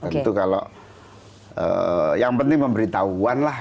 tentu kalau yang penting memberitahuan lah